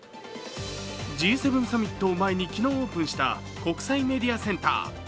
Ｇ７サミットを前に昨日オープンした国際メディアセンター。